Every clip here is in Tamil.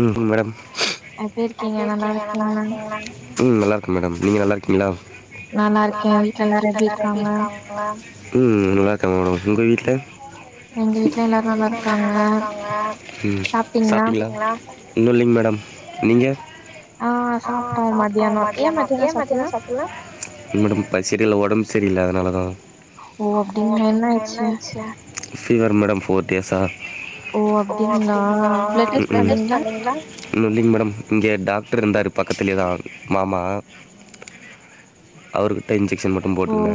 ம் ஹூ மேடம் ம் நல்லாருக்க மேடம் நீங்க நல்லாருக்கீங்ளா ம் நல்லாருக்காங்க மேடம் ஒங்க வீட்ல ம் சாப்ட்டீங்ளா இன்னு இல்லிங் மேடம் நீங்க அ சாப்ட்டோ மதியானோ ஏன் மதியானோ சாப் இல்ல மேடம் பசிகில ஒடம் சரியில்ல அதனாலதா ஓ அப்டிங்ளா என்னாச்சு ஃபீவர் மேடம் ஃபோர் டேஸா ம் கு இன்னு இல்லிங் மேடம் இங்கே டாக்டர் இருந்தார் பக்கத்துலே தா மாமா அவருக்கிட்ட இன் கெக்ஷன் மட்டு போட்டுக்குன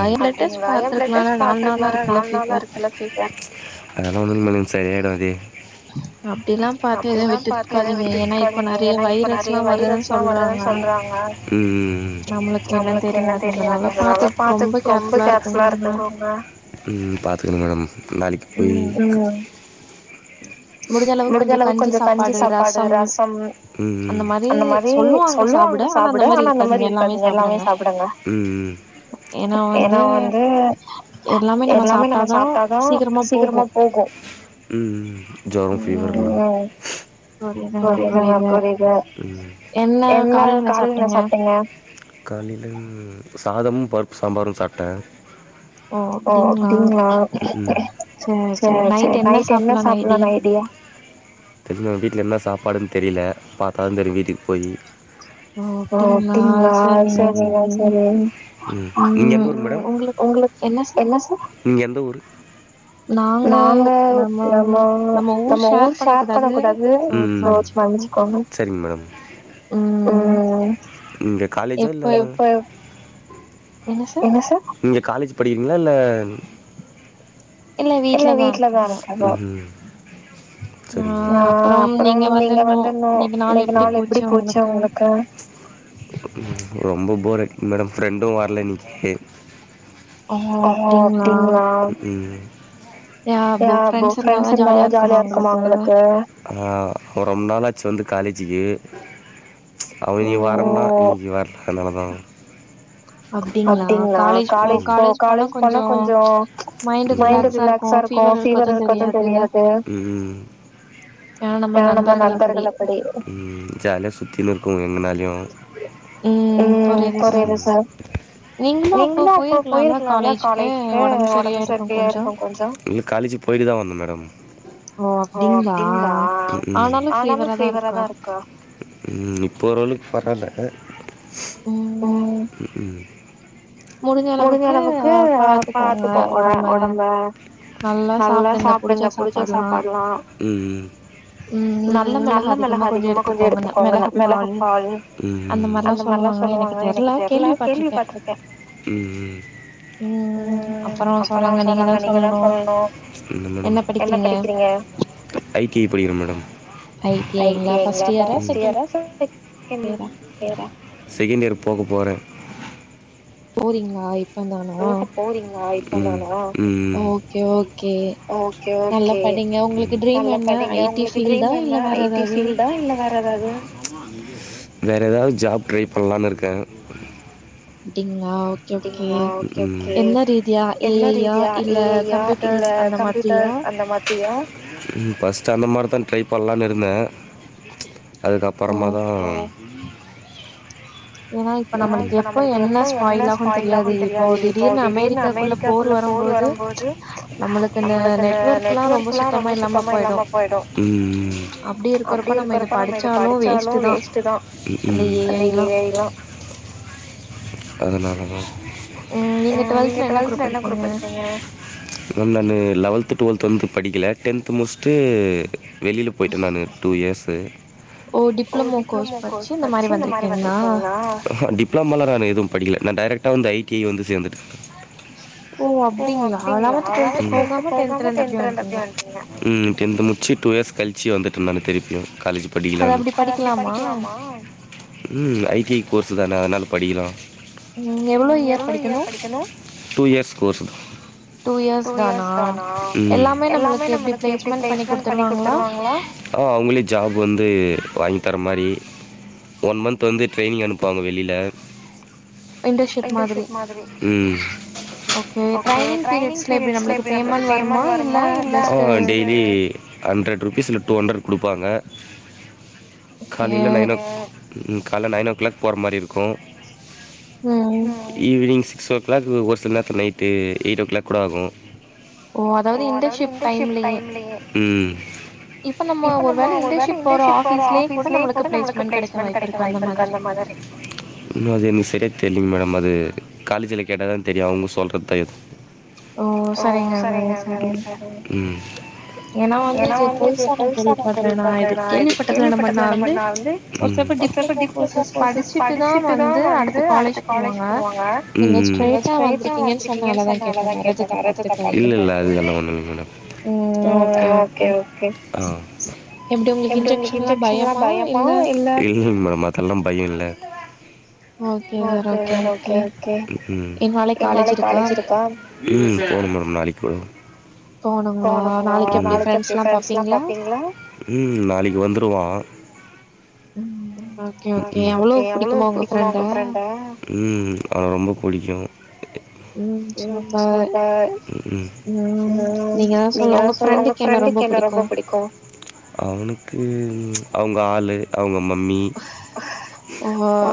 ம் அதெல்லா ஒன்னு இல்ல மேடம் சரியாயிடு அதே அப்டில்லா பார்த்தே எது விட்ருக்காதீங்க ஏன்னா இப்ப நறைய வைரஸ் லா வருதுன் சொல்றாங்க நம்ளுக்கு என்னன் தெரியாது அதனால பார்த்து ரொம்ப கேர்ஃபுல்லா இருத்துகோங்க ம் பார்த்துக்குற மேடம் நாளைக் போயி முடிஞ்ச அளவுக்கு கொஞ்ச கஞ்சி சாப்பாடு ரசம் அந்த மா ரி சொல்லுவாங்க சாப்பட ஆனா அந்த மாரி இருக்காதீங்க எல்லாமே சாப்டுங்க ஏன்னா வந்து எல்லாமே நம்ம சாப்ட்டாதா சீக்கிரமா போகு ம் புரிதுங்க புரிது என்ன காலைல என்ன சாப்ட்டீங்க காலையில சாதமு பருப்பு சாம்பாரு சாப்ட்ட ஓ அப்டிங்ளா சேர் சேர் நைட் என்ன சாப் தெரில வீட்ல என்ன சாப்பாடுன் தெரில பார்த்தா தா தெரியு வீட்டுக் போயி ஓ அப்டிங்ளா செரிங்க செரி உங்ளுக் நீங்க எந்த ஊரு ங்க நம்ம ஊர் ஷேர் பண்ண கூடாது சோ மன்னிச்சுகோங்க நீங்க காலேஜா இல்ல நீங்க காலேஜ் படிக்றீங்ளா இல்ல இன்னு வீட்லதா இருக்கணு ஆ அப்புறோ நீங்க வந்துன்னு இன்னைக்கு நாள் எப்டி போச்சு உங்ளுக்கு ரொம்ப போர் அடிக்குது மேடம் ஃப்ரெண்டூ வர்ல இன்னிக்கு ஓ அப்டிங்ளா ஏன் அப்போ ஃப்ரெண்ட்ஸு ஃப்ரெண்ஸ் இருந்தாதா ஜாலியா இருக்குமா உங்ளுக்கு அவிங்ய வர்ல ஃபீவர் அதுனாலதா அப்டிங்ளா காலேஜ் கோ காலேஜ் போனா கொஞ்சோ மைண்டு ரிலாக்ஸா இருக்கு பீவர் இருக்கற்து தெரியாது ஏனா ம் ஜாலியா சுத்தின் இருக்கு எங்கனால்யு ம் கொறைது சார் நீங்குளு அப்போ போயிருக்குலால காலேஜுக்கு ஒடம்பு சரியாய்ருக்கு கொஞ்சோ போய்ட்டுதா வந்த மேடம் ஓ அப்டிங்ளா ஆனாலு ஃபீவராதா இருக்கா ம் இப்போ ஒரளவுக்கு பரவால்ல ம் ம் முடிஞ்சளவுக்கு பாத்துக்கோங்க ஓடம்ப நல்லா சாப்டுங்க புடிச்ச சாப்பாட்லா ம் நல்லா மெளகு அதிகமா கொஞ்சோ எடுத்துக்கோங்க இந்த மெளகு பாலு அந்த மாரிலா சொல்லுவாங்க எனக்கு தெர்ல கேள்வி பட்ருக்கே ம் அப்புறோ சொல்லுங்க நீங்கதா சொல்லணு என்ன படிக்கிறீங் க ஐ டி ஐ ங்ளா ஃபஸ்ட் இயரா செக்கெண்ட் இயர் போக போறே போறீங்ளா இப்பந்தானா போறீங்ளா இப்பந்தானா ஓகே ஓகே ஓகே ஓகே நல்லா படிங்க உங்ளுக்கு ட்ரீம் என்ன ஐ டி ஃபீல்டா இல்ல வேற எதாவ்து வேற எதாவ்து ஜாப் ட்ரை பண்லான் இருக்க அப்டிங்ளா ஓகே ஓகே என்ன ரீதியா ஏ ஐ யா இல்ல கம்ப்யூட்டர் அந்த மாதிரியா ம் ஃபஸ்ட்டு அந்த மாரிதா ட்ரை பண்லான் இருந்த அதுக்கப்புறமாதா ஏனா இப்ப நம்மளுக்கு எப்போ என்ன ஸ்பாய்லாகுன் தெரியாது இப்போ திடீர்னு அமெரிக்காகுள்ள போர் வரும் போது நம்மளுக்கு அந்த நெட்வொர்க்லா ரொம்ப சுத்தமா இல்லாம போய்டு அப்டி இருக்குறப்ப நம்ம இது படிச்சாலு வேஸ்ட்டுதா அந்த ஏ ஐ லா அ நீங்க டொல்த்துல என்ன குரூப் எடுத்தீங்க இன்னொன்னு லவல்த்து டுவெல்த்து வந்து படிக்கல டென்த்து முஸ்ட்டு வெளில போய்ட்ட நானு டூ இயர்ஸு ஆஹ டிப்ளோமாலா நானு எது படிக்குல நா டேரக்ட்டா வந்து ஐ டி ஐ வந்து சேந்துட்ட ஓ அப்டிங்களா லெவல்த்து டொல்த்து போகாம டென்த்லருந்து அப்டியே வன்ட்டீங்க ம் டென்த்து முச்சு டூ இயர்ஸ் கழிச்சி வந்துட்ட நானு திருப்பியு காலேஜு அது அப்டி படிக்குலாமா ம் ஐ டி ஐ கோர்ஸுதான அதுனால படிக்குலா ம் எவுளோ இயர் படிக்கணு டூ இயர்ஸ் தானா எல்லாமே நம்மளுக்கு எப்டி பிளேஸ்மெண் பண்ணி குடுத்துருவாங்ளா ஆ அவுங்களே ஜாப் வந்து வாங்கி தர மாரி ஒன் மந்த் வந்து ட்ரெயினிங் அனுப்புவாங்க வெளில ம் ஓகே ட்ரெயினிங் பீரியட்ஸ்ல எப்டி நம்மளுக்கு பேமென்ட் வருமா இல்ல ஹண்ட்ரட் ருபீஸ் இல்ல டூ ஹண்ட்ரட் குடுப்பாங்க காலைல நைனோ ம் காலைல நைன் ஓ கிளாக் போற மாரி இருக்கு ம் ஈவினிங் சிக்ஸ் ஓ கிளாக்கு ஒரு சில நேரத்துல நைட்டு எயிட் ஓ க்ளாக் கூட ஆகு ஓ அதாவது இண்டர்ன்ஷிப் டைம்லயே இப்ப நம்மோ ஒரு வேல இண்டர்ன்ஷிப் போற ஆஃபீஸ்லயே கூட நம்ளுக்கு பிளேஸ்மெண்ட் கெடைக்க வாய்ப்பு இருக்கா அந்த மாதரி இன்னு அது எனக்கு சரியா தெரிலிங் மேடம் அது காலேஜில கேட்டாதா தெரியு அவுங்க சொல்றது தா ஓ சரிங்க சரி சரி ஏன்னா வந்து இது புதுசா நா கேள்விப்பட்றனா இது கேள்விப்பட்டதில்ல நம்ம நா வந்து ஒ வ்வொருத்தர் டிப்ளமோ கோர்ஸஸ் படிச்சுட்டுதா வந்து அடுத்த காலேஜ் போவாங்க நீங்க ஸ்ட்ரெய்ட்டா வந் திருக்கீங்கனு சொன்னதுனாலதா கேட்டே வேற எது தப்பா நெனைக்காதீங்க ம் ம் ஓகே ஓகே எப்டி உங்களுக்கு இன்ஜெக்ஷன்லா பயமா இல்ல ஓகே பிரதர் ஓகே ஓகே எ நாளைக்கி காலேஜ் இருக்கா ம் போகணு மேம் நாளைக்கி போகணு போகணுங்களா நாளைக்கி எப்டி ஃப்ரண்ட்ஸ் எல்லா பாப்பீங்களா ம் நாளைக்கி வந்துருவா ம் ஓகே ஓகே அவ்ளோ புடிக்குமா உங்க ஃப்ரெண்ட ஆமா புடிக்கு ம் ம் நீங்கதா சொல்ணு உங்க ஃப்ரெண்டுக்கு என்ன ரொம்ப பிடிக்கு அவுனுக்கு அவுங்க ஆளு அவுங்க மம்மி ஓ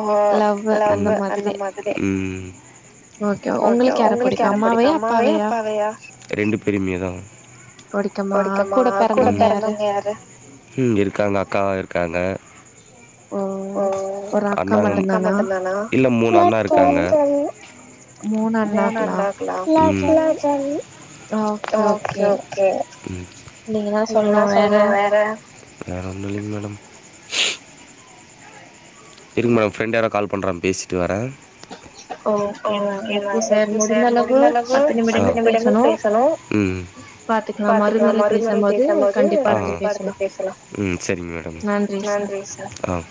லவ்வு அந்த மாதிரி ஓகே உங்களுக்கு யார பிடிக்கு அம்மாவையா அப்பாவையா புடிக்குமா கூட பெறந்தவங்க யாரு ஓ ஒரு அக்கா மட்டுந்தானா மூணு அண்ணாக்கலா ஓகே ஓகே நீங்கதா சொல்ணு வேற இருங்க மேடம் ஃப்ரெண்ட் யாரோ கால் பண்றாங்க பேசிட்டு வரே ஓகே நா ஓகே சார் முடிந்த அளவு பத்தி நிமிடங்கள் பேசணு பாத்துக்கலா மறுமுறை பேசும் போது கண்டிப்பா அதுக்கு பேசலா நன்றி சார்